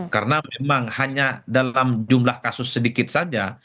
karena memang hanya dalam jumlah kasus sedikit saja